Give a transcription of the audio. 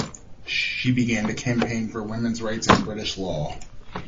She began to campaign for women's rights in British law.